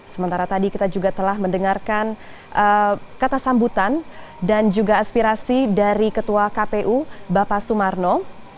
sementara tadi kita juga telah mendengarkan kata sambutan dan juga aspirasi dari ketua kpu bapak sumarno